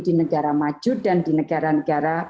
di negara maju dan di negara negara